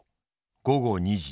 午後二時。